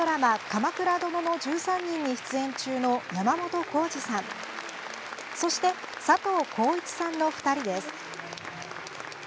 「鎌倉殿の１３人」に出演中の山本耕史さんそして、佐藤浩市さんの２人です。